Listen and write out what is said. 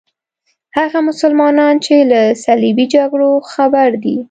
هغه مسلمانان چې له صلیبي جګړو خبر دي.